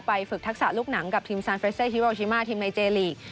ฝึกทักษะลูกหนังกับทีมซานเฟรเซฮิโรชิมาทีมในเจลีก